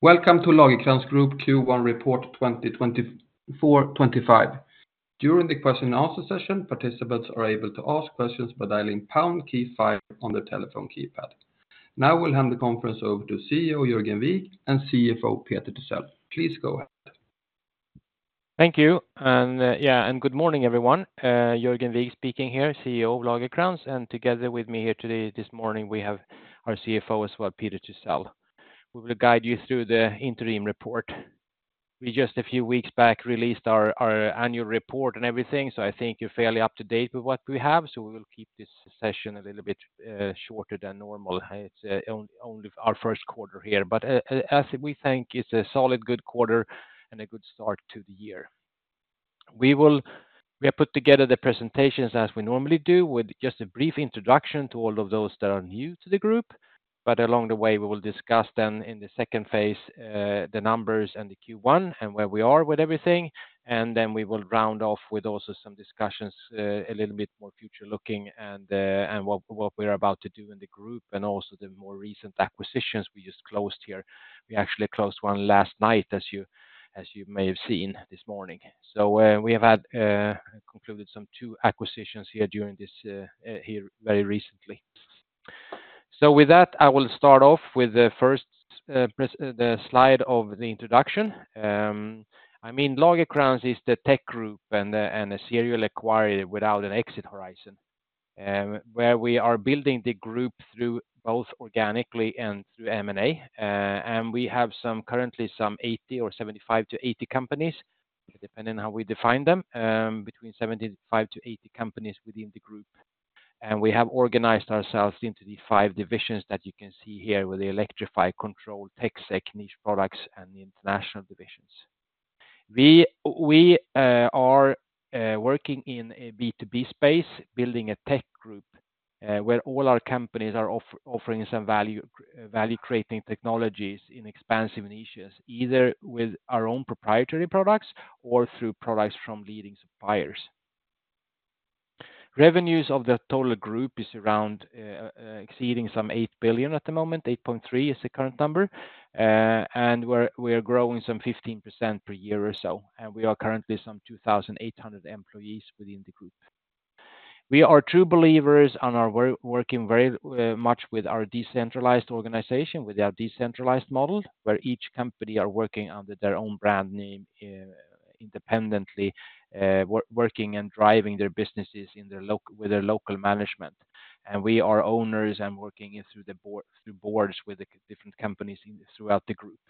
Welcome to Lagercrantz Group Q1 report 2024/25. During the question and answer session, participants are able to ask questions by dialing pound key five on their telephone keypad. Now we'll hand the conference over to CEO, Jörgen Wijk, and CFO, Peter Thysell. Please go ahead. Thank you, and, yeah, and good morning, everyone. Jörgen Wigh speaking here, CEO of Lagercrantz, and together with me here today, this morning, we have our CFO as well, Peter Thysell. We will guide you through the interim report. We just a few weeks back released our annual report and everything, so I think you're fairly up-to-date with what we have. So we will keep this session a little bit shorter than normal. It's only our first quarter here. But as we think it's a solid, good quarter and a good start to the year. We have put together the presentations as we normally do, with just a brief introduction to all of those that are new to the group. But along the way, we will discuss then in the second phase, the numbers and the Q1, and where we are with everything. And then we will round off with also some discussions, a little bit more future-looking and, and what, what we're about to do in the group, and also the more recent acquisitions we just closed here. We actually closed one last night, as you, as you may have seen this morning. So, we have had concluded some 2 acquisitions here during this, here very recently. So with that, I will start off with the first, the slide of the introduction. I mean, Lagercrantz is the tech group and a, and a serial acquirer without an exit horizon, where we are building the group through both organically and through M&A. We currently have 75 to 80 companies, depending on how we define them, between 75 to 80 companies within the group. We have organized ourselves into the five divisions that you can see here with the Electrify, Control, TechSec, Niche Products, and International divisions. We are working in a B2B space, building a tech group, where all our companies are offering some value-creating technologies in expansive niches, either with our own proprietary products or through products from leading suppliers. Revenues of the total group are around, exceeding 8 billion at the moment; 8.3 billion is the current number. We are growing some 15% per year or so, and we are currently 2,800 employees within the group. We are true believers and are working very much with our decentralized organization, with our decentralized model, where each company are working under their own brand name, independently, working and driving their businesses with their local management. We are owners and working through the boards with the different companies throughout the group.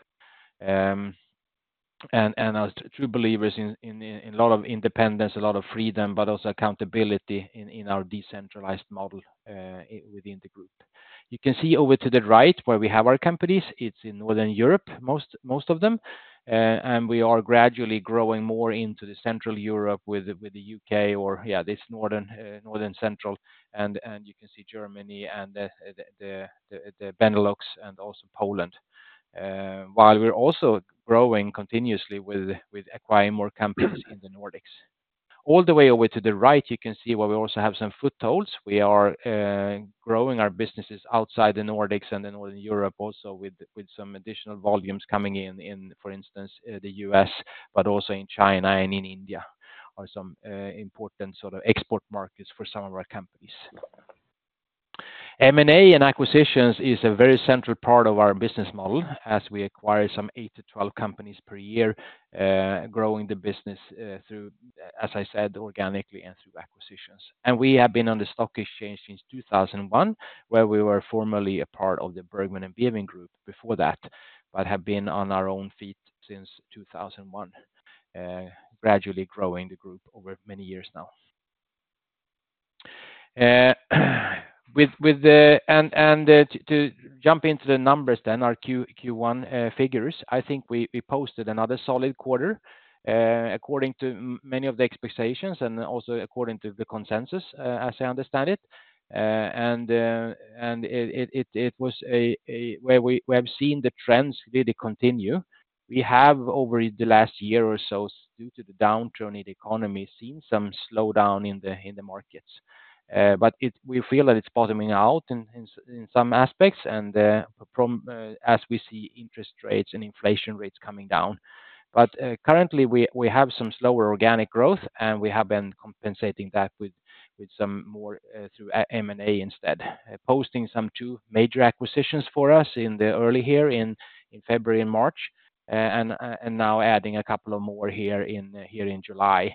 As true believers in a lot of independence, a lot of freedom, but also accountability in our decentralized model within the group. You can see over to the right where we have our companies. It's in Northern Europe, most of them. And we are gradually growing more into the Central Europe with the, with the UK or, yeah, this northern, northern central, and you can see Germany and the Benelux and also Poland. While we're also growing continuously with acquiring more companies in the Nordics. All the way over to the right, you can see where we also have some footholds. We are growing our businesses outside the Nordics and in Northern Europe, also with some additional volumes coming in, for instance, the US, but also in China and in India, are some important sort of export markets for some of our companies. M&A and acquisitions is a very central part of our business model as we acquire some 8-12 companies per year, growing the business through, as I said, organically and through acquisitions. We have been on the stock exchange since 2001, where we were formerly a part of the Bergman & Beving Group before that, but have been on our own feet since 2001, gradually growing the group over many years now. To jump into the numbers then, our Q1 figures, I think we posted another solid quarter according to many of the expectations and also according to the consensus, as I understand it. And it was a where we have seen the trends really continue. We have, over the last year or so, due to the downturn in the economy, seen some slowdown in the markets. But we feel that it's bottoming out in some aspects, and from as we see interest rates and inflation rates coming down. But currently, we have some slower organic growth, and we have been compensating that with some more through M&A instead. Posting some two major acquisitions for us in the early here in February and March, and now adding a couple of more here in July.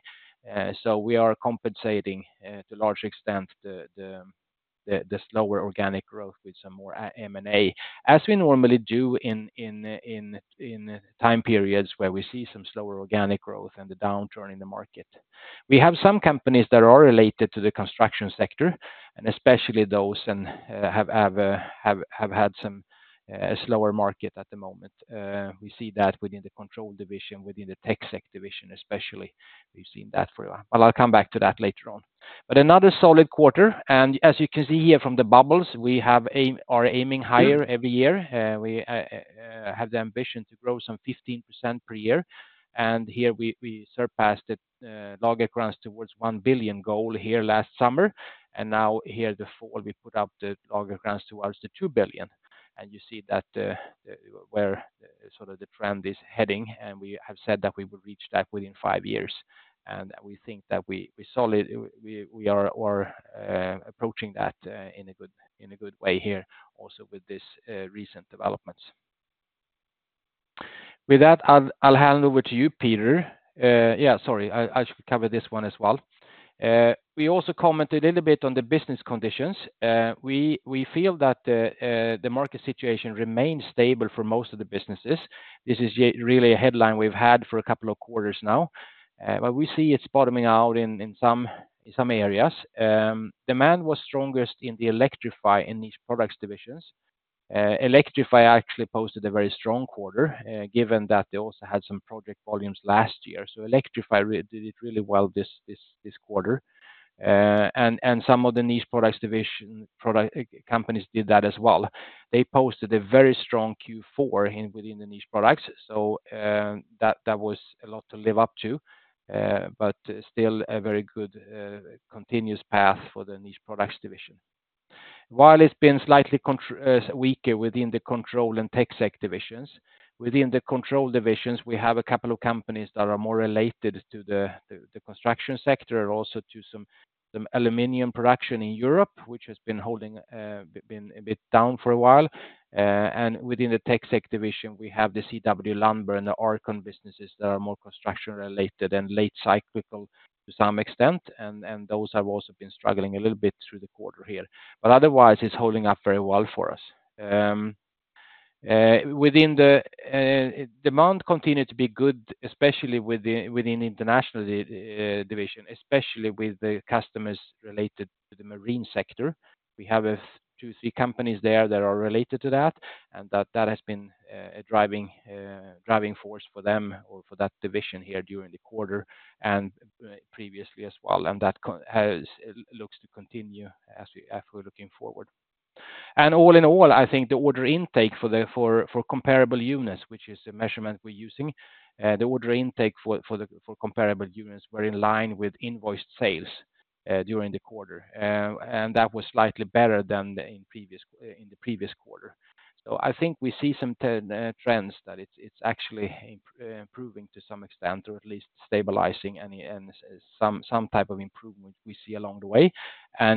So we are compensating to a large extent the slower organic growth with some more M&A, as we normally do in time periods where we see some slower organic growth and the downturn in the market. We have some companies that are related to the construction sector, and especially those and have had some slower market at the moment. We see that within the Control division, within the TecSec division, especially; we've seen that for a while. But I'll come back to that later on. But another solid quarter, and as you can see here from the bubbles, we are aiming higher every year. We have the ambition to grow some 15% per year, and here we surpassed it, Lagercrantz towards 1 billion goal here last summer, and now here the fall, we put up the Lagercrantz towards the 2 billion. And you see that, where sort of the trend is heading, and we have said that we will reach that within five years. And we think that we are approaching that in a good way here also with this recent developments. With that, I'll hand over to you, Peter. Yeah, sorry, I should cover this one as well. We also commented a little bit on the business conditions. We feel that the market situation remains stable for most of the businesses. This is really a headline we've had for a couple of quarters now, but we see it's bottoming out in some areas. Demand was strongest in the Electrify and Niche Products divisions. Electrify actually posted a very strong quarter, given that they also had some project volumes last year. So Electrify did it really well this quarter. And some of the Niche Products division product companies did that as well. They posted a very strong Q4 within the Niche Products, so that was a lot to live up to, but still a very good continuous path for the Niche Products division. While it's been slightly weaker within the Control and TechSec divisions, within the Control division, we have a couple of companies that are more related to the construction sector and also to some aluminum production in Europe, which has been a bit down for a while. And within the TechSec division, we have the CW Lundberg and the Arcon businesses that are more construction related and late cyclical to some extent, and those have also been struggling a little bit through the quarter here. But otherwise, it's holding up very well for us. Within the demand continued to be good, especially within International division, especially with the customers related to the marine sector. We have 2-3 companies there that are related to that, and that has been a driving force for them or for that division here during the quarter and previously as well. And that looks to continue as we're looking forward. And all in all, I think the order intake for comparable units, which is a measurement we're using, the order intake for the comparable units were in line with invoiced sales during the quarter. And that was slightly better than in the previous quarter. So I think we see some trends that it's actually improving to some extent, or at least stabilizing and some type of improvement we see along the way.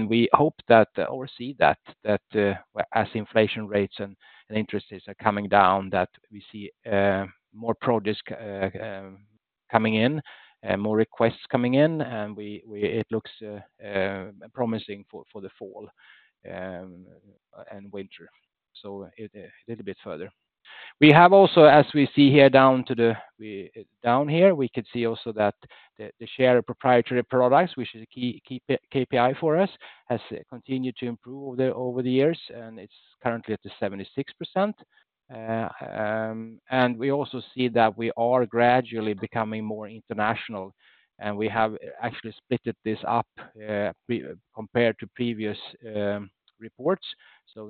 We hope that or see that, that, as inflation rates and interest rates are coming down, that we see more projects coming in, more requests coming in, and it looks promising for the fall and winter. So, a little bit further. We have also, as we see here down to the down here, we could see also that the share of proprietary products, which is a key KPI for us, has continued to improve over the years, and it's currently at 76%. And we also see that we are gradually becoming more international, and we have actually split this up, compared to previous reports.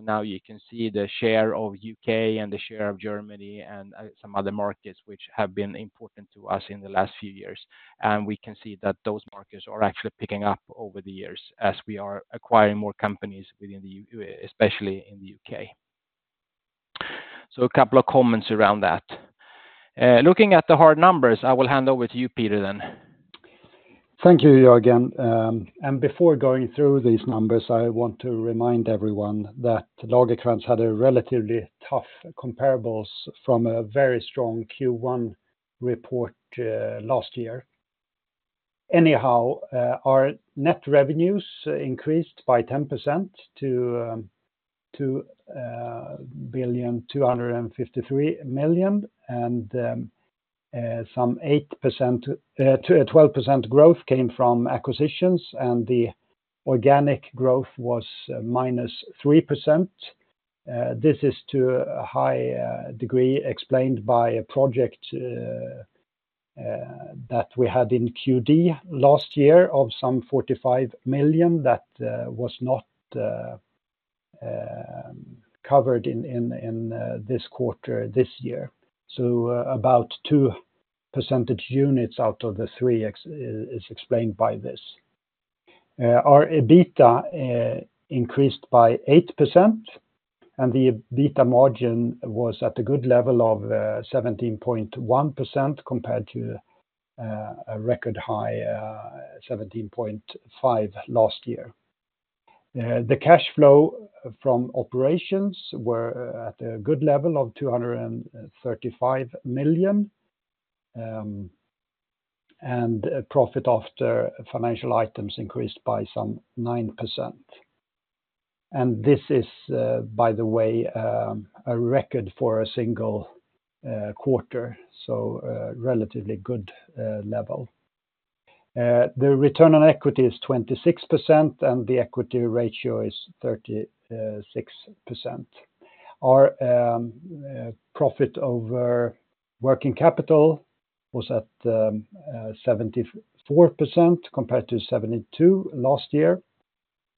Now you can see the share of the U.K. and the share of Germany and some other markets which have been important to us in the last few years. We can see that those markets are actually picking up over the years as we are acquiring more companies within the U.K., especially in the U.K. A couple of comments around that. Looking at the hard numbers, I will hand over to you, Peter, then. Thank you, Jörgen. Before going through these numbers, I want to remind everyone that Lagercrantz had a relatively tough comparables from a very strong Q1 report last year. Anyhow, our net revenues increased by 10% to SEK 2,253 million. Some 12% growth came from acquisitions, and the organic growth was -3%. This is to a high degree explained by a project that we had in Q1 last year of some 45 million that was not covered in this quarter this year. So about two percentage units out of the three is explained by this. Our EBITDA increased by 8%, and the EBITDA margin was at a good level of 17.1%, compared to a record high 17.5% last year. The cash flow from operations were at a good level of 235 million, and profit after financial items increased by some 9%. This is, by the way, a record for a single quarter, so a relatively good level. The return on equity is 26%, and the equity ratio is 36%. Our profit over working capital was at 74%, compared to 72% last year.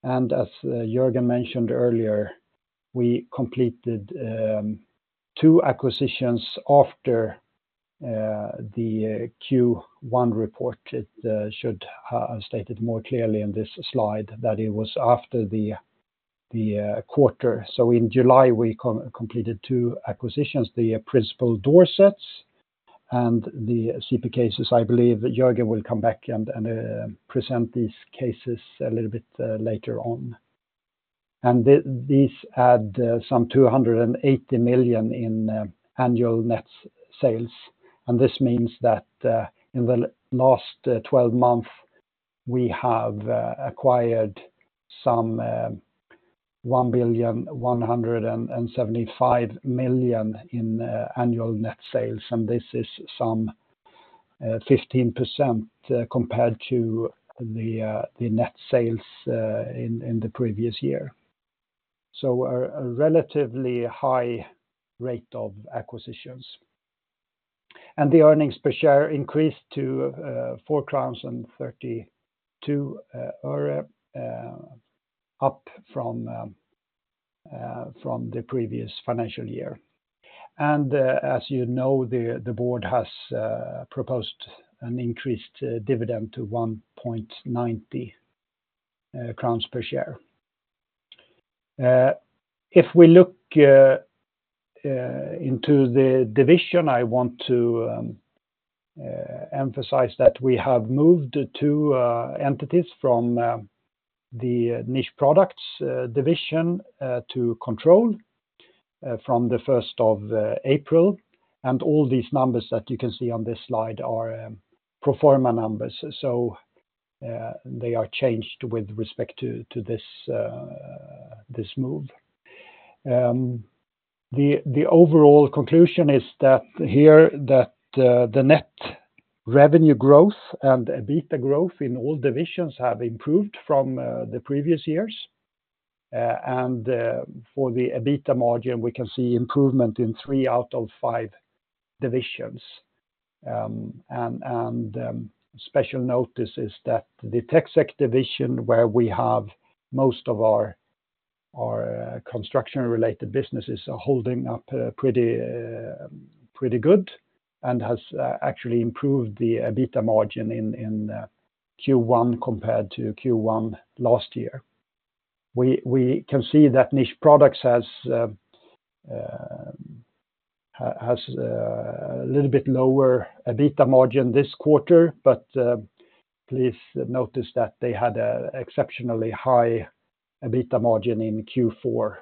As Jörgen mentioned earlier, we completed 2 acquisitions after the Q1 report. It should have stated more clearly in this slide that it was after the quarter. So in July, we completed two acquisitions, the Principal Doorsets and the CP Cases. I believe Jörgen will come back and present these cases a little bit later on. And these add some SEK 280 million in annual net sales, and this means that in the last twelve months, we have acquired some 1,175 million in annual net sales, and this is some 15% compared to the net sales in the previous year. So a relatively high rate of acquisitions. And the earnings per share increased to 4,032 or up from the previous financial year. As you know, the board has proposed an increased dividend to 1.90 crowns per share. If we look into the division, I want to emphasize that we have moved two entities from the Niche Products division to Control from the first of April. And all these numbers that you can see on this slide are pro forma numbers. So, they are changed with respect to this move. The overall conclusion is that here, the net revenue growth and EBITDA growth in all divisions have improved from the previous years. And, for the EBITDA margin, we can see improvement in three out of five divisions. Special notice is that the TechSec division, where we have most of our construction-related businesses, are holding up pretty good and has actually improved the EBITDA margin in Q1 compared to Q1 last year. We can see that Niche Products has a little bit lower EBITDA margin this quarter, but please notice that they had a exceptionally high EBITDA margin in Q4.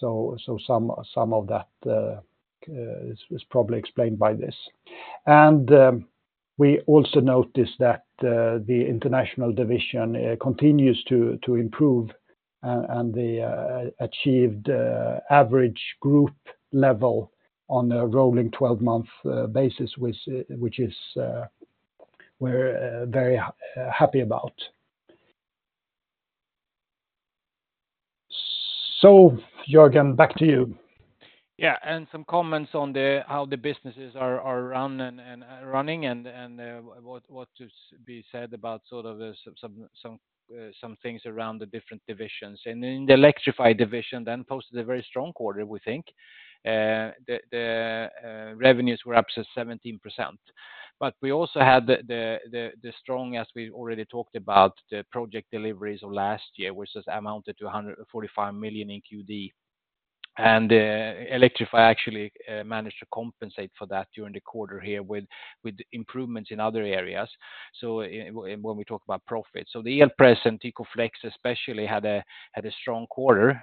So some of that is probably explained by this. And we also notice that the International division continues to improve and they achieved average group level on a rolling 12-month basis, which is, we're very happy about. So Jörgen, back to you. Yeah, and some comments on the, how the businesses are, are run and, and, running and, and, what, what to be said about sort of the some, some, some things around the different divisions. And in the Electrify division, then posted a very strong quarter, we think. The revenues were up 17%. But we also had the strong, as we already talked about, the project deliveries of last year, which has amounted to 145 million in Cue Dee. And, Electrify actually, managed to compensate for that during the quarter here with improvements in other areas, so i- when we talk about profit. So the Elpress and Tykoflex especially had a strong quarter,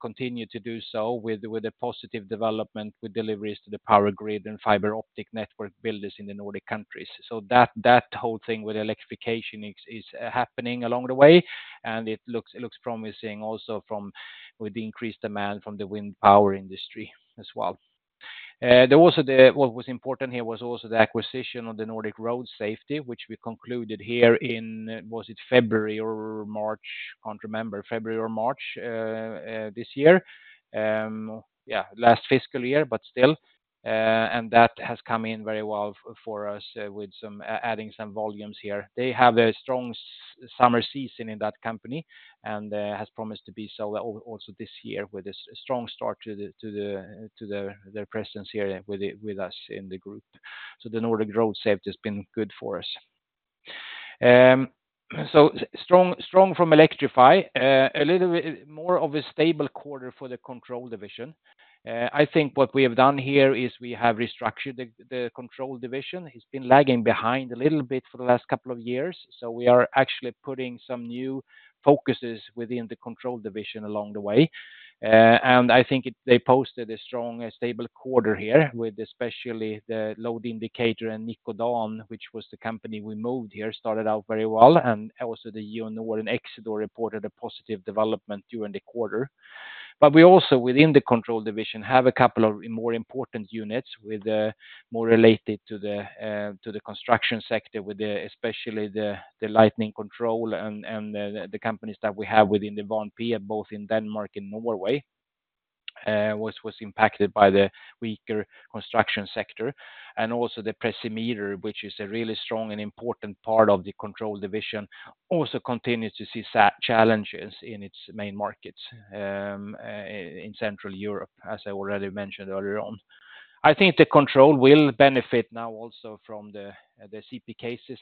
continued to do so with a positive development, with deliveries to the power grid and fiber optic network builders in the Nordic countries. So that whole thing with electrification is happening along the way, and it looks promising also from the increased demand from the wind power industry as well. What was important here was also the acquisition of the Nordic Road Safety, which we concluded here in, was it February or March? Can't remember, February or March, this year. Yeah, last fiscal year, but still, and that has come in very well for us, with some adding some volumes here. They have a strong summer season in that company and has promised to be so also this year, with a strong start to their presence here with us in the group. So the Nordic Road Safety has been good for us. So strong, strong from Electrify, a little bit more of a stable quarter for the Control division. I think what we have done here is we have restructured the Control division. It's been lagging behind a little bit for the last couple of years, so we are actually putting some new focuses within the Control division along the way. I think they posted a strong, stable quarter here, with especially the Load Indicator and Nikodan, which was the company we moved here, started out very well, and also the EU, Norway, and Exidor reported a positive development during the quarter. But we also, within the Control division, have a couple of more important units with more related to the construction sector, with especially the lighting control and the companies that we have within the Vanpee, both in Denmark and Norway, was impacted by the weaker construction sector. Also the Precimeter, which is a really strong and important part of the Control division, also continues to see challenges in its main markets in Central Europe, as I already mentioned earlier on. I think the control will benefit now also from the CP Cases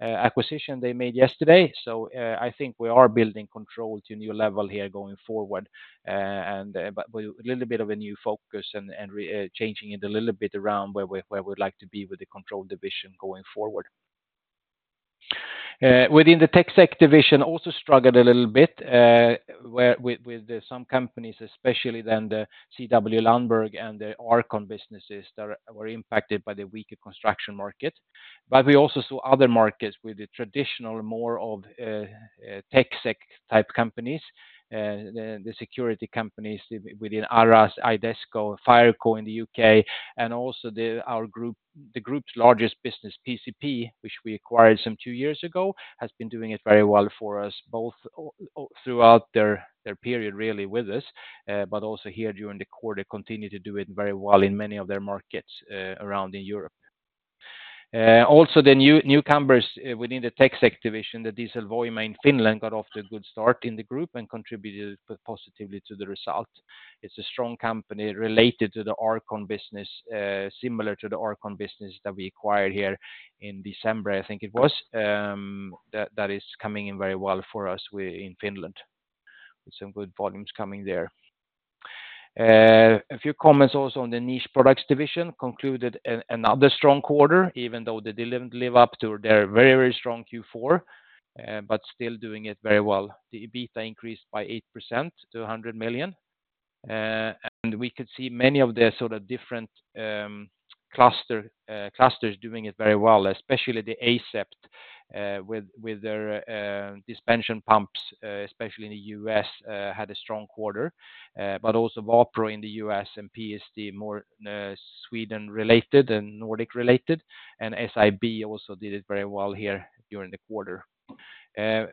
acquisition they made yesterday. So, I think we are building control to a new level here going forward, and but with a little bit of a new focus and changing it a little bit around where we'd like to be with the control division going forward. Within the TechSec division, also struggled a little bit, with some companies, especially the CW Lundberg and the Arcon businesses that were impacted by the weaker construction market. But we also saw other markets with the traditional, more of TechSec type companies, the security companies within Aras, Idesco, Fireco in the UK, and also the group's largest business, PCP, which we acquired some 2 years ago, has been doing it very well for us, both throughout their period, really, with us, but also here during the quarter, continue to do it very well in many of their markets around in Europe. Also, the new newcomers within the TechSec division, the Diesel Voima in Finland, got off to a good start in the group and contributed positively to the result. It's a strong company related to the Arcon business, similar to the Arcon business that we acquired here in December, I think it was. That is coming in very well for us in Finland, with some good volumes coming there. A few comments also on the Niche Products division concluded another strong quarter, even though they didn't live up to their very, very strong Q4, but still doing it very well. The EBITDA increased by 8% to 100 million, and we could see many of their sort of different, cluster, clusters doing it very well, especially the Asept, with, with their, suspension pumps, especially in the U.S., had a strong quarter, but also Wapro in the U.S. and PSD, more, Sweden-related and Nordic-related, and SIB also did it very well here during the quarter.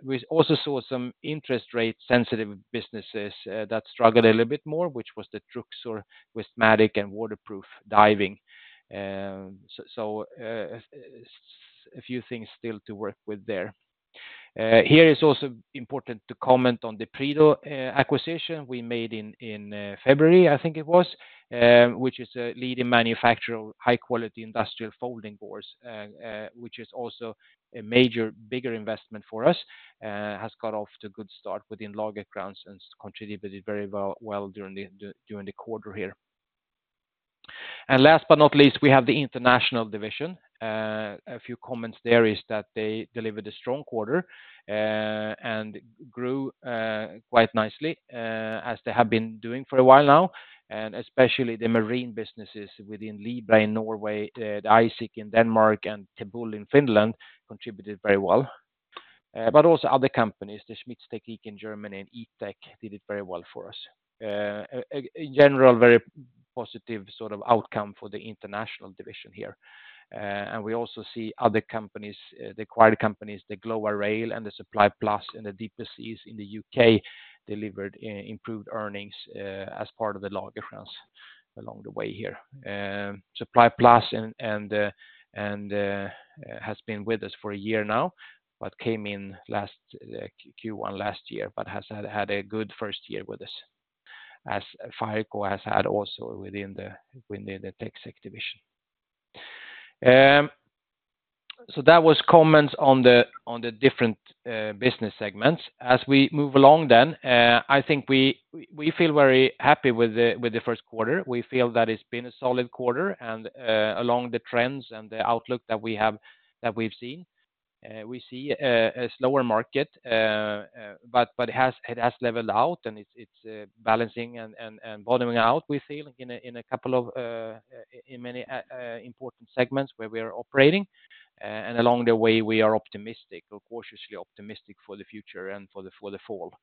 We also saw some interest rate-sensitive businesses that struggled a little bit more, which was the Truxor with Matic and Waterproof Diving. A few things still to work with there. It is also important to comment on the Prido acquisition we made in February, I think it was, which is a leading manufacturer of high quality industrial folding doors, which is also a major bigger investment for us, has got off to a good start within Lagercrantz and contributed very well during the quarter here. Last but not least, we have the international division. A few comments there is that they delivered a strong quarter, and grew quite nicely, as they have been doing for a while now, and especially the marine businesses within Libra in Norway, the ISIC in Denmark, and Tebul in Finland contributed very well. But also other companies, the Schmitztechnik in Germany and E-Tech, did it very well for us. A general, very positive sort of outcome for the international division here. And we also see other companies, the acquired companies, the Glova Rail and the Supply Plus, and the DP Seals in the UK, delivered improved earnings, as part of the Lagercrantz along the way here. Supply Plus has been with us for a year now, but came in last Q1 last year, but has had a good first year with us, as Fireco has had also within the TechSec division. So that was comments on the different business segments. As we move along then, I think we feel very happy with the first quarter. We feel that it's been a solid quarter and along the trends and the outlook that we have, that we've seen. We see a slower market, but it has leveled out and it's balancing and bottoming out, we feel, in many important segments where we are operating. Along the way, we are optimistic or cautiously optimistic for the future and for the fall.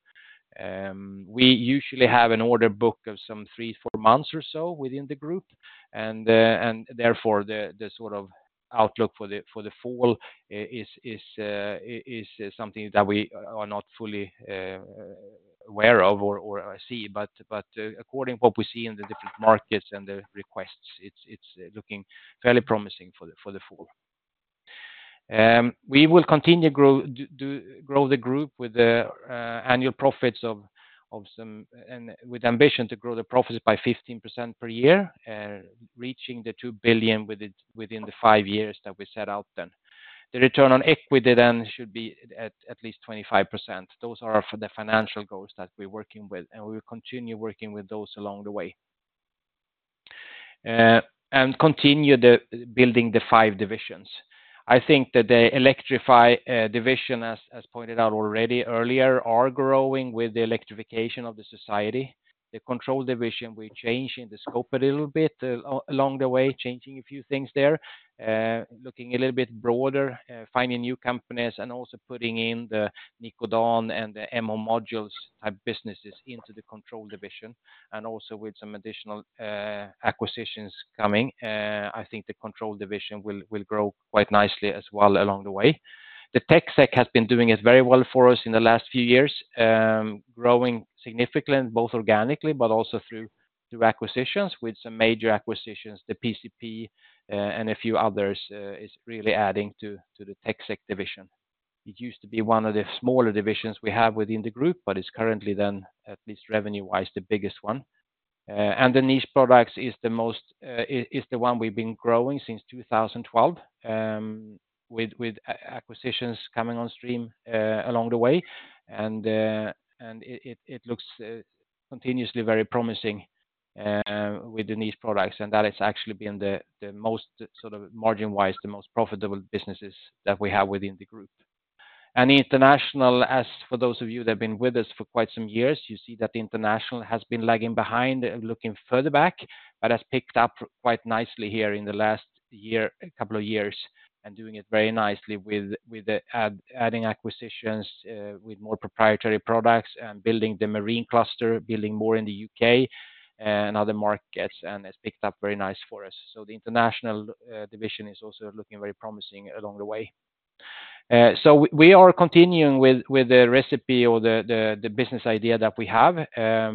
We usually have an order book of some 3 to 4 months or so within the group, and therefore, the sort of outlook for the fall is something that we are not fully aware of or see, but according what we see in the different markets and the requests, it's looking fairly promising for the fall. We will continue to grow, to grow the group with the annual profits of some... With ambition to grow the profits by 15% per year, reaching 2 billion with it, within the 5 years that we set out then. The return on equity then should be at least 25%. Those are for the financial goals that we're working with, and we will continue working with those along the way. And continue the building the five divisions. I think that the Electrify division, as pointed out already earlier, are growing with the electrification of the society. The Control division, we're changing the scope a little bit along the way, changing a few things there. Looking a little bit broader, finding new companies and also putting in the Nikodan and the MH Modules type businesses into the Control division, and also with some additional acquisitions coming. I think the Control division will grow quite nicely as well along the way. The TechSec has been doing it very well for us in the last few years, growing significantly, both organically, but also through acquisitions, with some major acquisitions, the PCP and a few others, is really adding to the TechSec division. It used to be one of the smaller divisions we have within the group, but it's currently then, at least revenue-wise, the biggest one. And the Niche Products is the most, is the one we've been growing since 2012, with acquisitions coming on stream, along the way. And it looks continuously very promising with the Niche Products, and that has actually been the most sort of margin-wise, the most profitable businesses that we have within the group. International, as for those of you that have been with us for quite some years, you see that international has been lagging behind and looking further back, but has picked up quite nicely here in the last year, a couple of years, and doing it very nicely with adding acquisitions, with more proprietary products and building the marine cluster, building more in the UK and other markets, and has picked up very nice for us. So the International division is also looking very promising along the way. So we are continuing with the recipe or the business idea that we have.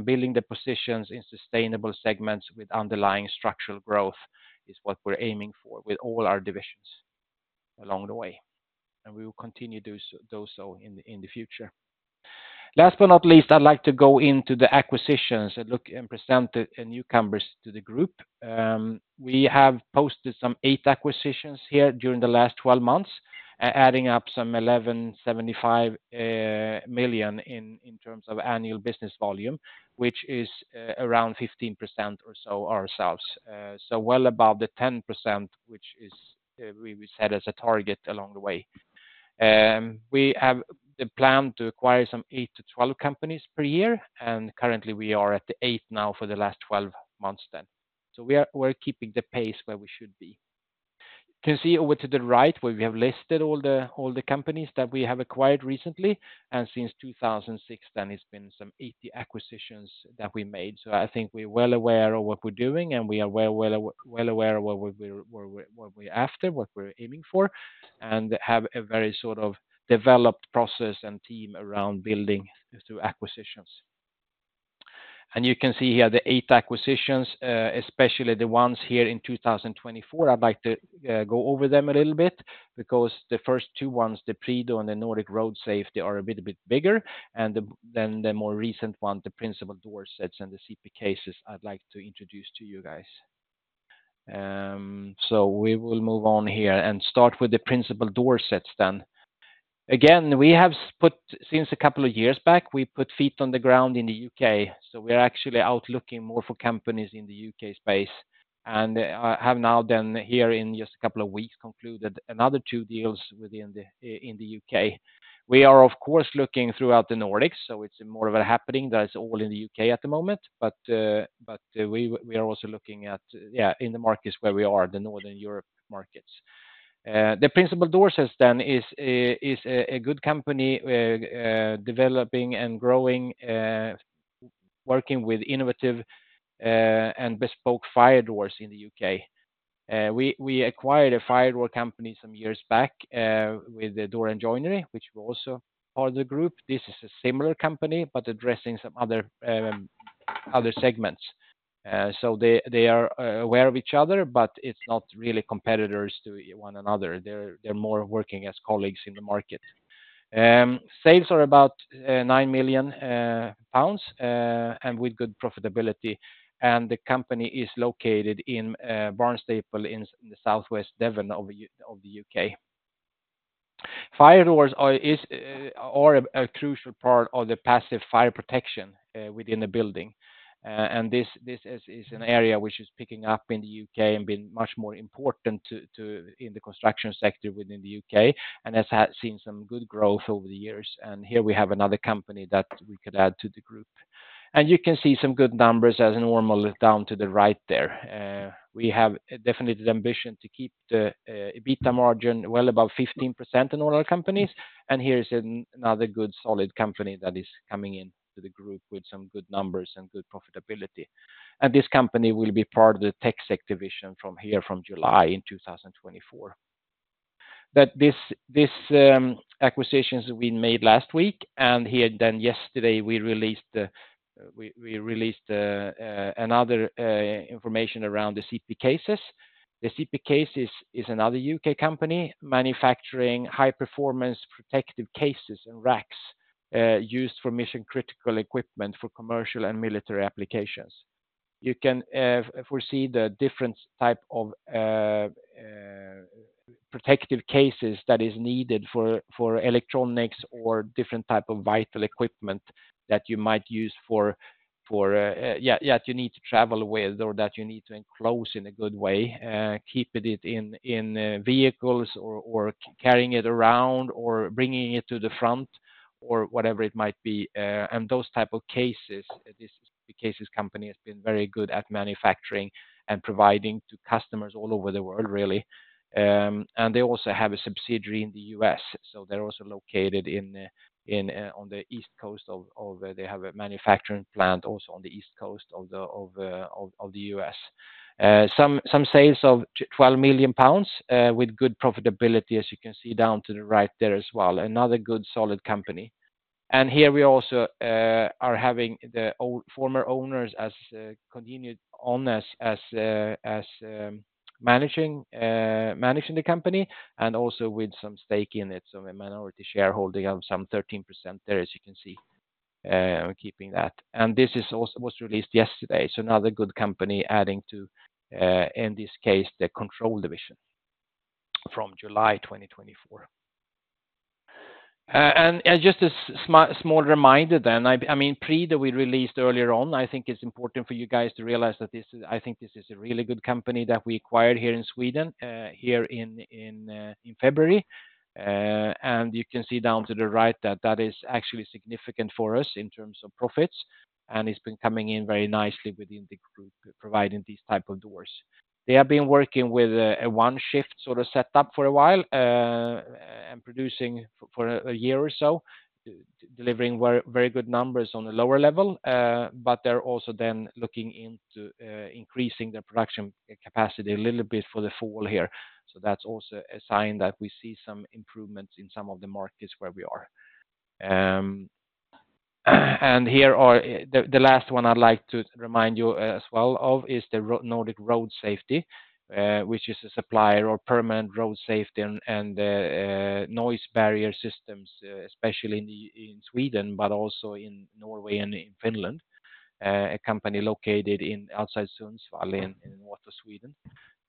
Building the positions in sustainable segments with underlying structural growth is what we're aiming for with all our divisions along the way, and we will continue do so in the future. Last but not least, I'd like to go into the acquisitions and look and present the newcomers to the group. We have posted some 8 acquisitions here during the last 12 months, adding up some 1,175 million in terms of annual business volume, which is around 15% or so ourselves. So well above the 10%, which is we set as a target along the way. We have the plan to acquire some 8 to 12 companies per year, and currently we are at the 8th now for the last 12 months then. We're keeping the pace where we should be. You can see over to the right, where we have listed all the companies that we have acquired recently, and since 2006, then it's been some 80 acquisitions that we made. So I think we're well aware of what we're doing, and we are well aware of what we're after, what we're aiming for, and have a very sort of developed process and team around building through acquisitions. And you can see here the 8 acquisitions, especially the ones here in 2024. I'd like to go over them a little bit, because the first two, the Prido and the Nordic Road Safety, are a little bit bigger than the more recent one, the Principal Doorsets and the CP Cases. I'd like to introduce to you guys. So we will move on here and start with the Principal Doorsets then. Again, we have put, since a couple of years back, we put feet on the ground in the U.K., so we are actually out looking more for companies in the U.K. space, and have now then here in just a couple of weeks, concluded another two deals within the U.K. We are, of course, looking throughout the Nordics, so it's more of a happening that is all in the U.K. at the moment, but we are also looking at in the markets where we are, the Northern Europe markets. The Principal Doorsets then is a good company developing and growing, working with innovative and bespoke fire doors in the U.K. We acquired a fire door company some years back with the Door and Joinery Solutions, which were also part of the group. This is a similar company, but addressing some other segments. So they are aware of each other, but it's not really competitors to one another. They're more working as colleagues in the market. Sales are about 9 million pounds and with good profitability, and the company is located in Barnstaple, in the southwest Devon of the UK. Fire doors are a crucial part of the passive fire protection within the building. This is an area which is picking up in the UK and been much more important to in the construction sector within the UK, and has had seen some good growth over the years. Here we have another company that we could add to the group. You can see some good numbers as normal down to the right there. We have definitely the ambition to keep the EBITDA margin well above 15% in all our companies, and here is another good, solid company that is coming in to the group with some good numbers and good profitability. This company will be part of the TechSec division from here, from July in 2024. Acquisitions we made last week, and here then yesterday, we released another information around the CP Cases. The CP Cases is another UK company manufacturing high-performance protective cases and racks used for mission-critical equipment for commercial and military applications. You can foresee the different type of protective cases that is needed for electronics or different type of vital equipment that you might use for that you need to travel with, or that you need to enclose in a good way, keeping it in vehicles or carrying it around, or bringing it to the front, or whatever it might be. And those type of cases, this CP Cases company has been very good at manufacturing and providing to customers all over the world, really. And they also have a subsidiary in the U.S., so they're also located in on the East Coast of the U.S. They have a manufacturing plant also on the East Coast of the U.S. Some sales of 12 million pounds with good profitability, as you can see down to the right there as well. Another good, solid company. And here we also are having the former owners continued on as managing the company and also with some stake in it. So a minority shareholding of some 13% there, as you can see, keeping that. And this is also was released yesterday, so another good company adding to, in this case, the Control division from July 2024. And just a small reminder then, I mean, Prido that we released earlier on, I think it's important for you guys to realize that this is, I think this is a really good company that we acquired here in Sweden, here in February. And you can see down to the right that that is actually significant for us in terms of profits, and it's been coming in very nicely within the group, providing these type of doors. They have been working with a one shift sort of setup for a while, and producing for a year or so, delivering very, very good numbers on the lower level, but they're also then looking into increasing their production capacity a little bit for the fall here. So that's also a sign that we see some improvements in some of the markets where we are. And here are. The last one I'd like to remind you as well of is the Nordic Road Safety, which is a supplier of permanent road safety and noise barrier systems, especially in Sweden, but also in Norway and in Finland. A company located outside Sundsvall, in north of Sweden.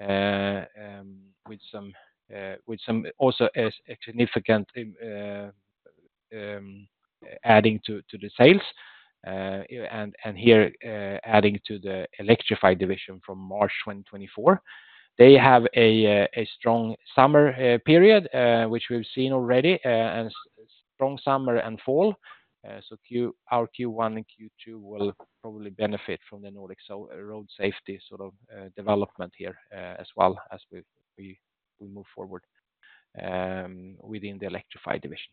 With some, with some also as a significant adding to the sales, and here adding to the Electrify division from March 2024. They have a strong summer period, which we've seen already, and strong summer and fall. Our Q1 and Q2 will probably benefit from the Nordic Road Safety sort of development here, as well as we move forward within the Electrify division.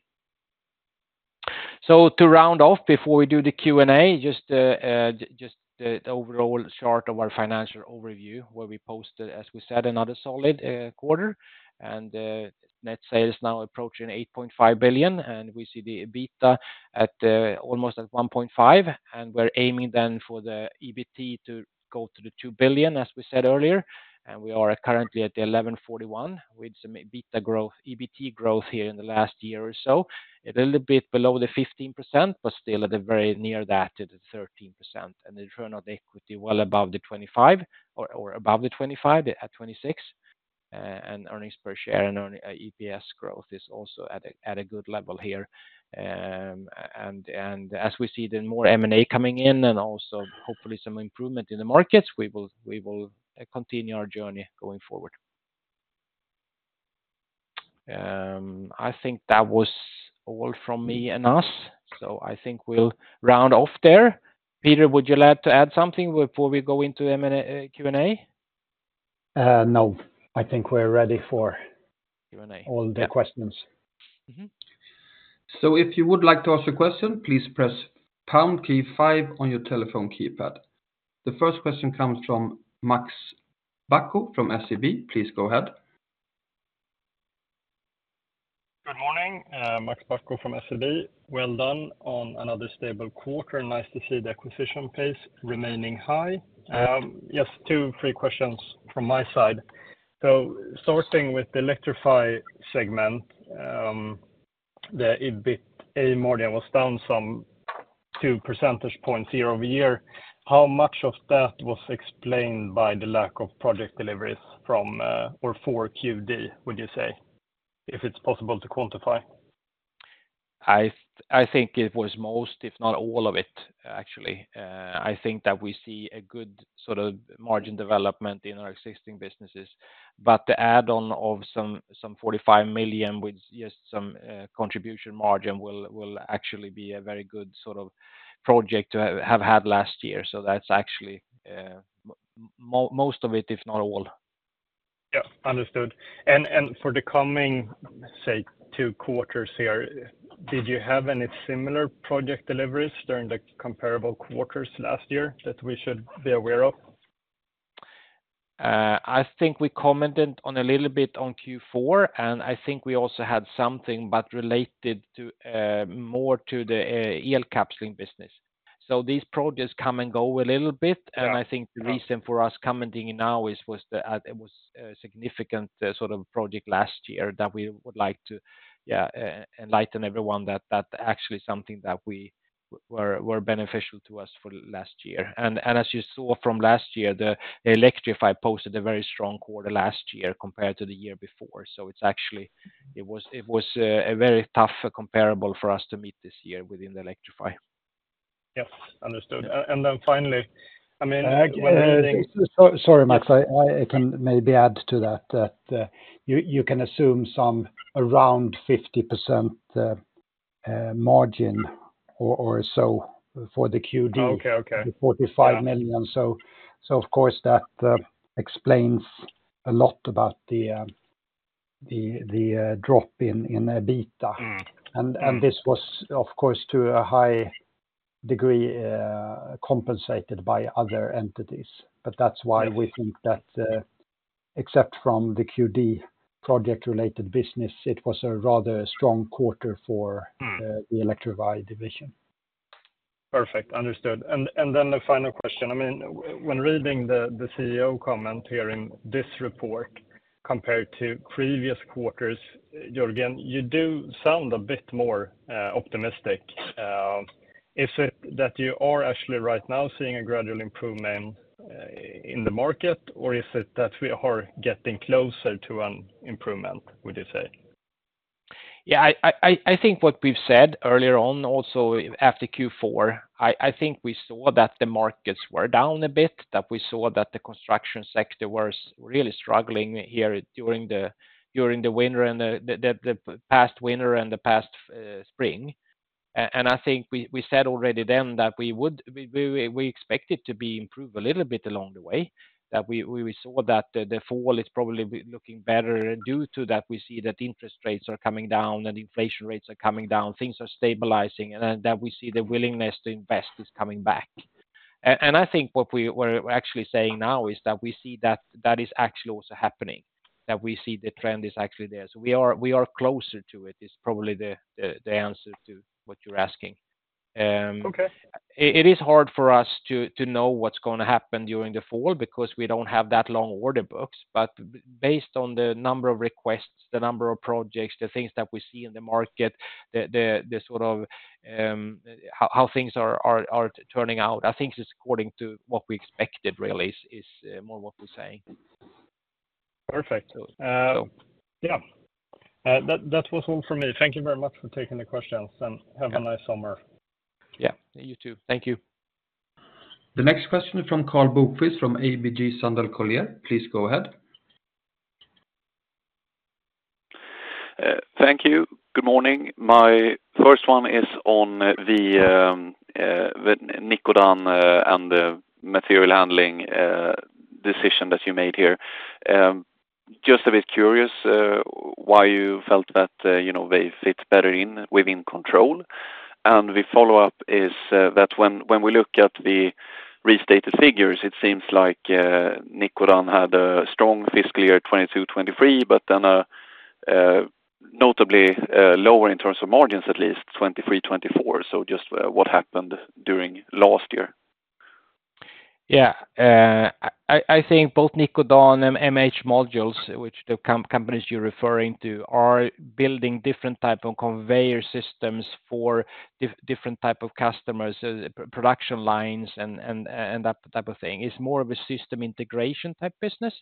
So to round off, before we do the Q&A, just the overall chart of our financial overview, where we posted, as we said, another solid quarter. Net sales now approaching 8.5 billion, and we see the EBITDA at almost 1.5 billion, and we're aiming then for the EBT to go to 2 billion, as we said earlier, and we are currently at 1,141 million, with some EBITDA growth, EBT growth here in the last year or so. A little bit below the 15%, but still at the very near that, at the 13%, and the return of equity well above the 25 or above the 25, at 26. And earnings per share and EPS growth is also at a good level here. And as we see then more M&A coming in and also hopefully some improvement in the markets, we will continue our journey going forward. I think that was all from me and us, so I think we'll round off there. Peter, would you like to add something before we go into M&A, Q&A? No, I think we're ready for- Q&A... all the questions. Mm-hmm. So if you would like to ask a question, please press pound key five on your telephone keypad. The first question comes from Max Bäck from SEB. Please go ahead. Good morning, Max Bacco from SEB. Well done on another stable quarter, and nice to see the acquisition pace remaining high. Yeah. Just two, three questions from my side. So starting with the Electrify segment, the EBITA margin was down some two percentage points year-over-year. How much of that was explained by the lack of project deliveries from, or for Qvintus, would you say? If it's possible to quantify. I think it was most, if not all of it, actually. I think that we see a good sort of margin development in our existing businesses, but the add on of some 45 million, with just some contribution margin, will actually be a very good sort of project to have had last year. So that's actually most of it, if not all. Yeah, understood. And, and for the coming, say, two quarters here, did you have any similar project deliveries during the comparable quarters last year that we should be aware of? I think we commented on a little bit on Q4, and I think we also had something but related to, more to the, Elkapsling business. So these projects come and go a little bit- Yeah... and I think the reason for us commenting now is it was a significant sort of project last year that we would like to enlighten everyone that that actually was something that was beneficial to us for last year. And as you saw from last year, the Electrify posted a very strong quarter last year compared to the year before. So it's actually- Mm-hmm... it was, it was, a very tough comparable for us to meet this year within the Electrify. Yeah, understood. And then finally, I mean, when reading- Sorry, Max, I can maybe add to that, you can assume some around 50% margin or so for the QD. Okay. Okay. The 45 million. So, of course, that explains a lot about the drop in EBITDA. Mm-hmm. Mm. This was, of course, to a high degree compensated by other entities. But that's why we think that, except from the QD project-related business, it was a rather strong quarter for- Mm. the Electrify division. Perfect, understood. And then the final question. I mean, when reading the CEO comment here in this report compared to previous quarters, Jörgen, you do sound a bit more optimistic. Is it that you are actually right now seeing a gradual improvement in the market, or is it that we are getting closer to an improvement, would you say? Yeah, I think what we've said earlier on, also after Q4, I think we saw that the markets were down a bit, that we saw that the construction sector was really struggling here during the past winter and the past spring. And I think we said already then that we expect it to be improved a little bit along the way, that we saw that the fall is probably be looking better, and due to that, we see that interest rates are coming down, and inflation rates are coming down, things are stabilizing, and then that we see the willingness to invest is coming back. I think what we were actually saying now is that we see that that is actually also happening, that we see the trend is actually there. So we are closer to it, is probably the answer to what you're asking. Okay. It is hard for us to know what's gonna happen during the fall because we don't have that long order books. But based on the number of requests, the number of projects, the things that we see in the market, the sort of how things are turning out, I think it's according to what we expected, really, is more what we're saying. Perfect. So, so. Yeah. That, that was all for me. Thank you very much for taking the questions, and- Yeah... have a nice summer. Yeah, you too. Thank you. The next question is from Karl Bokvist, from ABG Sundal Collier. Please go ahead. Thank you. Good morning. My first one is on the with Nikodan and the material handling decision that you made here. Just a bit curious why you felt that you know they fit better within control? And the follow-up is that when we look at the restated figures it seems like Nikodan had a strong fiscal year 2022, 2023, but then a notably lower in terms of margins at least 2023, 2024. So just what happened during last year? Yeah, I think both Nikodan and MH Modules, which the companies you're referring to, are building different type of conveyor systems for different type of customers, production lines, and that type of thing. It's more of a system integration type business.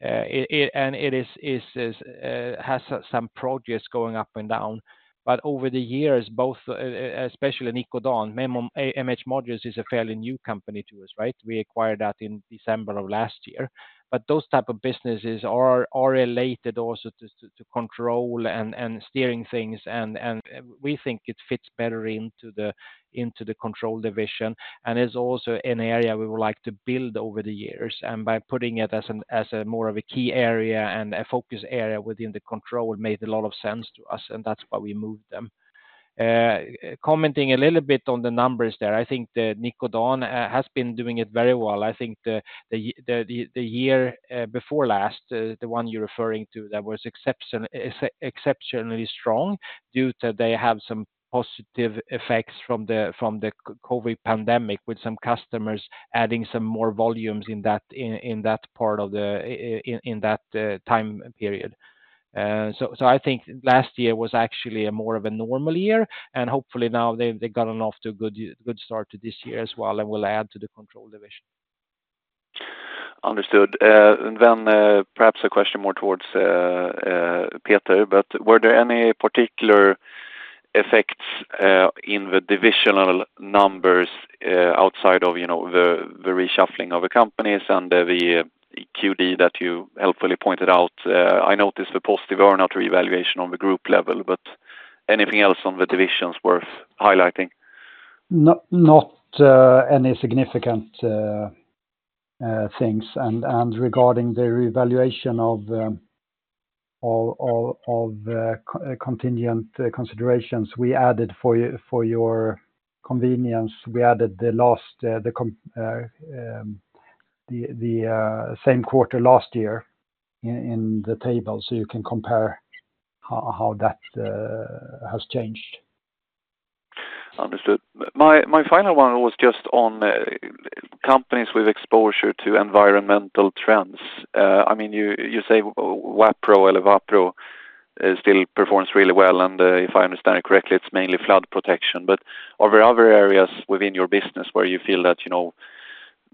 It and it is has some projects going up and down. But over the years, both, especially Nikodan, MH Modules is a fairly new company to us, right? We acquired that in December of last year. But those type of businesses are related also to control and steering things, and we think it fits better into the Control division, and is also an area we would like to build over the years. By putting it as a more of a key area and a focus area within the control, it made a lot of sense to us, and that's why we moved them. Commenting a little bit on the numbers there, I think that Nikodan has been doing it very well. I think the year before last, the one you're referring to, that was exceptionally strong due to they have some positive effects from the COVID pandemic, with some customers adding some more volumes in that part of the time period. So, I think last year was actually a more of a normal year, and hopefully now they've gotten off to a good start to this year as well, and will add to the Control division. Understood. And then, perhaps a question more towards Peter, but were there any particular effects in the divisional numbers outside of, you know, the reshuffling of the companies and the QD that you helpfully pointed out? I noticed a positive earnout revaluation on the group level, but anything else on the divisions worth highlighting? Not any significant things. And regarding the revaluation of contingent considerations, we added, for your convenience, the same quarter last year in the table, so you can compare how that has changed. Understood. My final one was just on companies with exposure to environmental trends. I mean, you say Wapro still performs really well, and if I understand it correctly, it's mainly flood protection. But are there other areas within your business where you feel that, you know,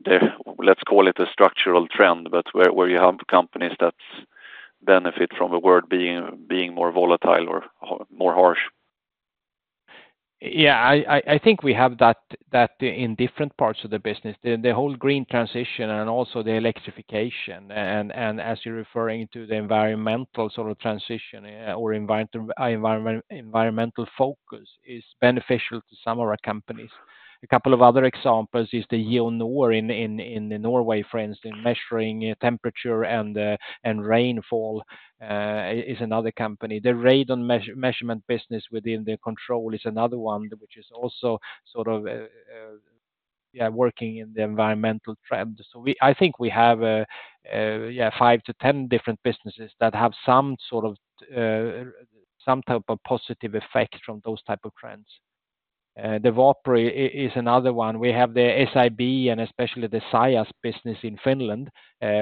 the... Let's call it a structural trend, but where you have companies that benefit from the world being more volatile or more harsh? Yeah, I think we have that in different parts of the business. The whole green transition and also the electrification, and as you're referring to the environmental sort of transition or environmental focus, is beneficial to some of our companies. A couple of other examples is the Geonor in Norway, for instance, measuring temperature and rainfall, is another company. The radon measurement business within the Control is another one, which is also sort of... Yeah, working in the environmental trend. So I think we have, yeah, 5 to 10 different businesses that have some sort of some type of positive effect from those type of trends. The Wapro is another one. We have the SIB, and especially the Sajakorpi business in Finland,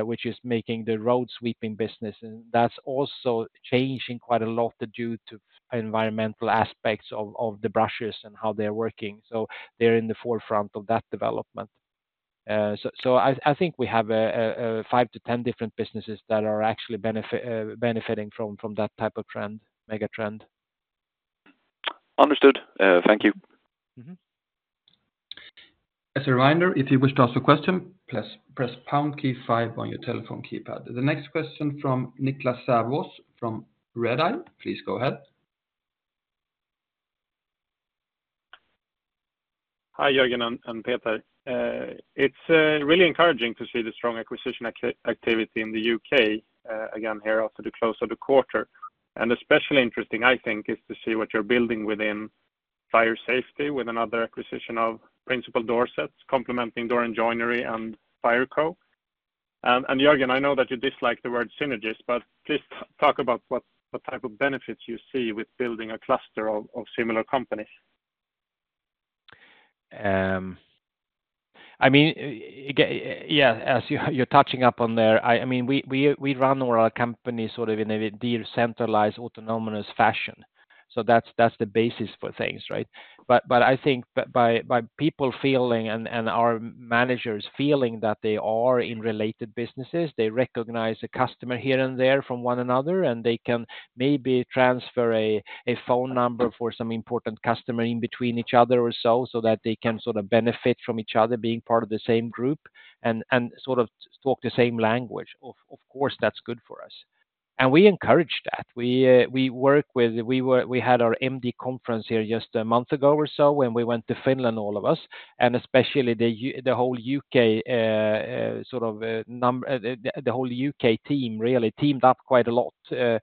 which is making the road sweeping business, and that's also changing quite a lot due to environmental aspects of the brushes and how they're working. So they're in the forefront of that development. So I think we have 5-10 different businesses that are actually benefiting from that type of trend, mega trend. Understood. Thank you. Mm-hmm. As a reminder, if you wish to ask a question, press, press pound key five on your telephone keypad. The next question from Niklas Sävås from Redeye, please go ahead. Hi, Jörgen and Peter. It's really encouraging to see the strong acquisition activity in the U.K. again here after the close of the quarter, and especially interesting, I think, is to see what you're building within fire safety with another acquisition of Principal Doorsets, complementing Door and Joinery and Fireco. And Jörgen, I know that you dislike the word synergies, but please talk about what type of benefits you see with building a cluster of similar companies. I mean, yeah, as you're touching up on there, I mean, we run our company sort of in a decentralized, autonomous fashion. So that's the basis for things, right? But I think by people feeling and our managers feeling that they are in related businesses, they recognize the customer here and there from one another, and they can maybe transfer a phone number for some important customer in between each other or so, so that they can sort of benefit from each other being part of the same group and sort of talk the same language. Of course, that's good for us. And we encourage that. We had our MD conference here just a month ago or so when we went to Finland, all of us, and especially the whole UK team really teamed up quite a lot. We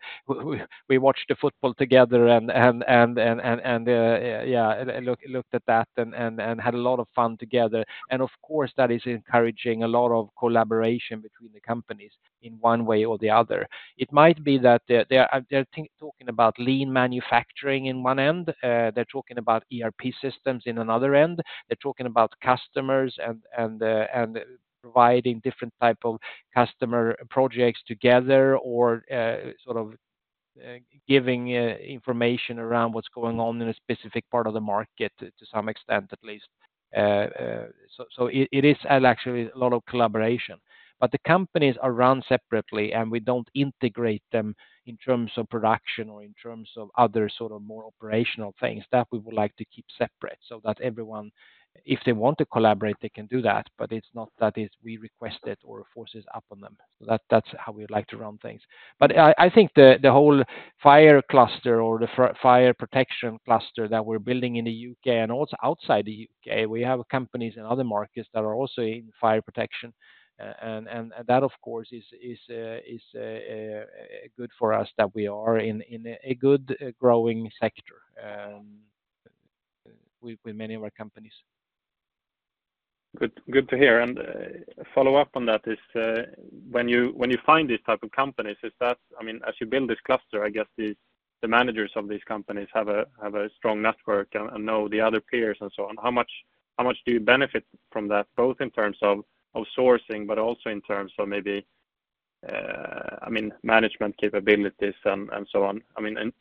watched the football together and yeah, looked at that and had a lot of fun together. Of course, that is encouraging a lot of collaboration between the companies in one way or the other. It might be that they're talking about lean manufacturing in one end, they're talking about ERP systems in another end, they're talking about customers and providing different type of customer projects together or sort of giving information around what's going on in a specific part of the market, to some extent, at least. So it is actually a lot of collaboration. But the companies are run separately, and we don't integrate them in terms of production or in terms of other sort of more operational things that we would like to keep separate so that everyone, if they want to collaborate, they can do that, but it's not that is we request it or force it up on them. So that's how we like to run things. But I think the whole fire cluster or the fire protection cluster that we're building in the UK and also outside the UK, we have companies in other markets that are also in fire protection. And that, of course, is good for us, that we are in a good growing sector, with many of our companies. Good, good to hear. And, follow up on that is, when you find these type of companies, is that... I mean, as you build this cluster, I guess these, the managers of these companies have a strong network and know the other peers and so on. How much do you benefit from that, both in terms of sourcing, but also in terms of maybe, I mean, management capabilities and so on? I mean,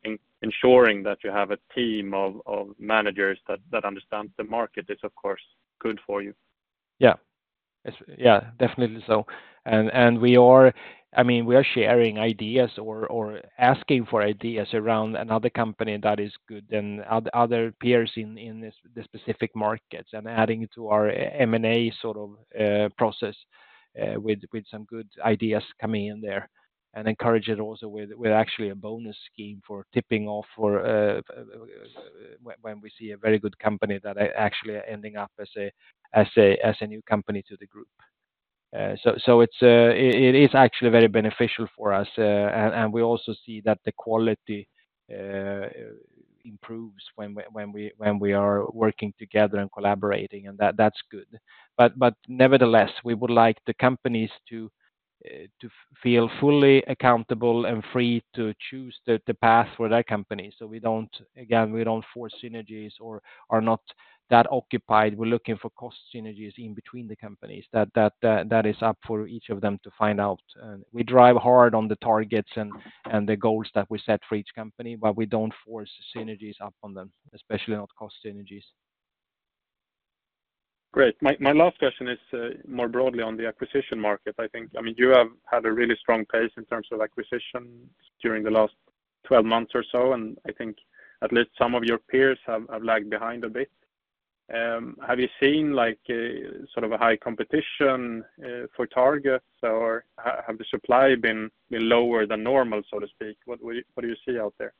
ensuring that you have a team of managers that understands the market is, of course, good for you. Yeah. Yes, yeah, definitely so. And we are, I mean, we are sharing ideas or asking for ideas around another company that is good and other peers in the specific markets, and adding it to our M&A sort of process, with some good ideas coming in there, and encourage it also with actually a bonus scheme for tipping off or when we see a very good company that are actually ending up as a new company to the group. So it's actually very beneficial for us, and we also see that the quality improves when we are working together and collaborating, and that's good. Nevertheless, we would like the companies to feel fully accountable and free to choose the path for their company. So we don't, again, we don't force synergies or are not that occupied. We're looking for cost synergies in between the companies. That is up for each of them to find out, and we drive hard on the targets and the goals that we set for each company, but we don't force synergies up on them, especially not cost synergies. Great. My last question is more broadly on the acquisition market. I think, I mean, you have had a really strong pace in terms of acquisitions during the last 12 months or so, and I think at least some of your peers have lagged behind a bit. Have you seen, like, a sort of a high competition for targets, or have the supply been lower than normal, so to speak? What would you—what do you see out there?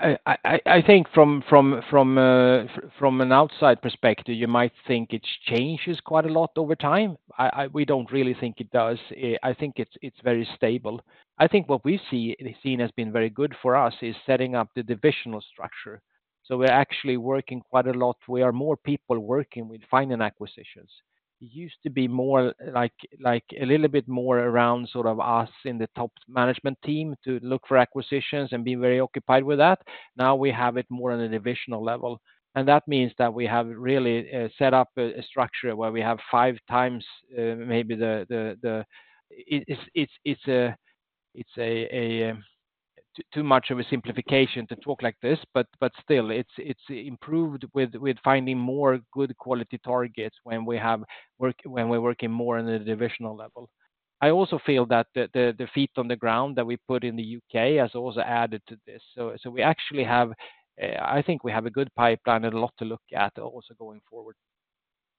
I think from an outside perspective, you might think it changes quite a lot over time. We don't really think it does. I think it's very stable. I think what we have seen has been very good for us, is setting up the divisional structure. So we're actually working quite a lot. We are more people working with finding acquisitions. It used to be more like a little bit more around sort of us in the top management team to look for acquisitions and be very occupied with that. Now we have it more on a divisional level, and that means that we have really set up a structure where we have five times, maybe it's too much of a simplification to talk like this, but still, it's improved with finding more good quality targets when we're working more on the divisional level. I also feel that the feet on the ground that we put in the U.K. has also added to this. So we actually have. I think we have a good pipeline and a lot to look at also going forward.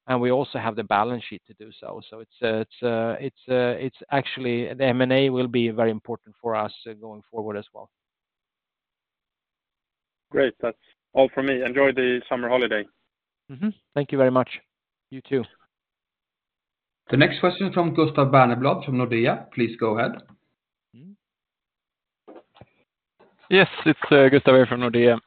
And we also have the balance sheet to do so. So it's actually the M&A will be very important for us going forward as well. Great. That's all for me. Enjoy the summer holiday. Mm-hmm. Thank you very much. You too. The next question from Gustav Berneblad, from Nordea. Please go ahead. Yes, it's Gustav from Nordea.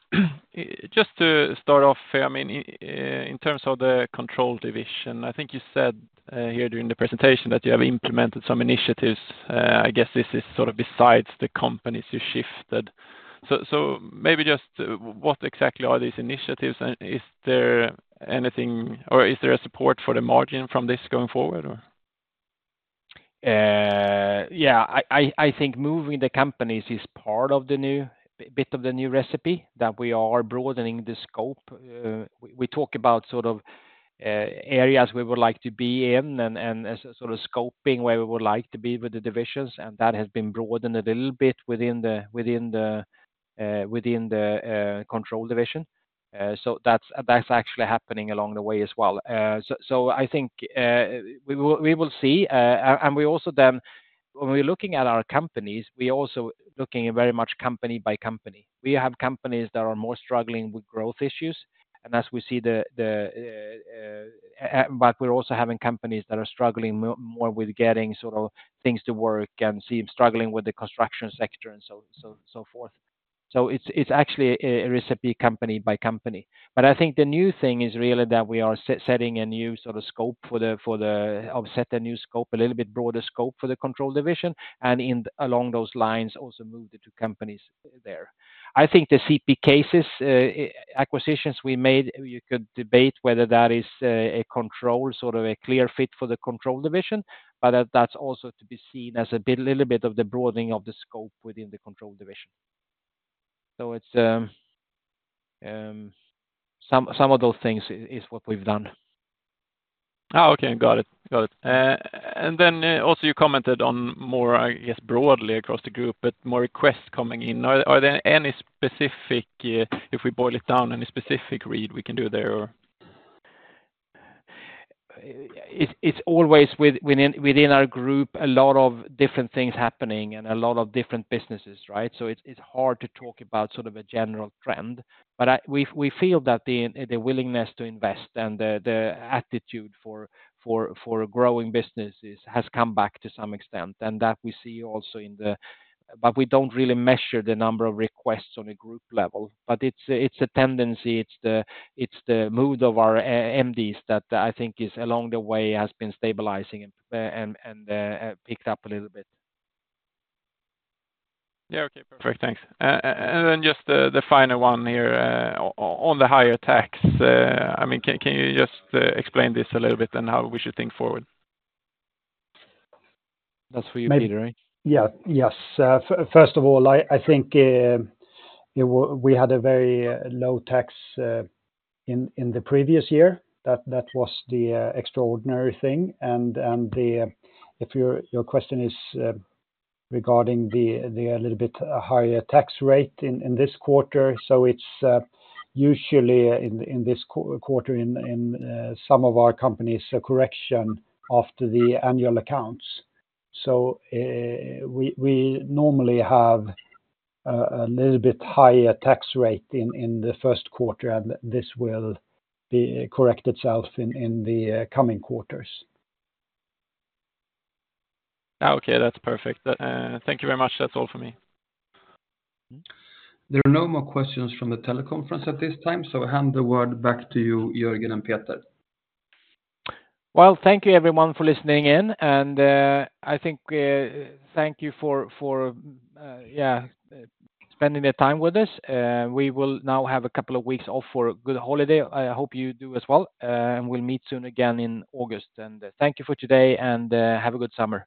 Just to start off, I mean, in terms of the Control Division, I think you said here during the presentation that you have implemented some initiatives. I guess this is sort of besides the companies you shifted. So, maybe just what exactly are these initiatives? And is there anything or is there support for the margin from this going forward, or? Yeah, I think moving the companies is part of the new bit of the new recipe, that we are broadening the scope. We talk about sort of areas we would like to be in and as a sort of scoping where we would like to be with the divisions, and that has been broadened a little bit within the Control division. So that's actually happening along the way as well. So I think we will see, and we also then... When we're looking at our companies, we're also looking at very much company by company. We have companies that are more struggling with growth issues, and as we see the... But we're also having companies that are struggling more with getting sort of things to work and seem struggling with the construction sector and so forth. So it's actually a recipe company by company. But I think the new thing is really that we are setting a new sort of scope for the Control division, a little bit broader scope for the Control division, and along those lines, also move the two companies there. I think the CP Cases acquisitions we made, you could debate whether that is a control, sort of a clear fit for the Control division, but that's also to be seen as a bit, little bit of the broadening of the scope within the Control division. So it's some of those things is what we've done. Oh, okay. Got it. Got it. And then, also you commented on more, I guess, broadly across the group, but more requests coming in. Are there any specific, if we boil it down, any specific read we can do there, or? It's always within our group a lot of different things happening and a lot of different businesses, right? So it's hard to talk about sort of a general trend. But we feel that the willingness to invest and the attitude for growing businesses has come back to some extent, and that we see also in the... But we don't really measure the number of requests on a group level, but it's a tendency, it's the mood of our MDs that I think is along the way has been stabilizing and picked up a little bit. Yeah, okay, perfect. Thanks. And then just the final one here, on the higher tax. I mean, can you just explain this a little bit and how we should think forward? That's for you, Peter, right? Yeah. Yes. First of all, I think we had a very low tax in the previous year. That was the extraordinary thing. And if your question is regarding the little bit higher tax rate in this quarter, so it's usually in this quarter, in some of our companies, a correction after the annual accounts. So we normally have a little bit higher tax rate in the first quarter, and this will correct itself in the coming quarters. Okay, that's perfect. Thank you very much. That's all for me. There are no more questions from the teleconference at this time, so hand the word back to you, Jörgen and Peter. Well, thank you, everyone, for listening in, and, I think, thank you for, yeah, spending the time with us. We will now have a couple of weeks off for a good holiday. I hope you do as well, and we'll meet soon again in August. And thank you for today, and, have a good summer.